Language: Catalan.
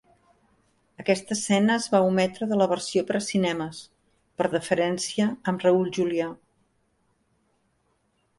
Aquesta escena es va ometre de la versió per a cinemes "per deferència amb Raul Julia".